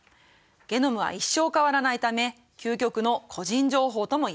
ゲノムは一生変わらないため究極の個人情報ともいえます。